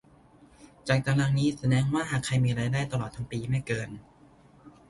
จากตารางนี้แสดงว่าหากใครมีรายได้ตลอดทั้งปีไม่เกิน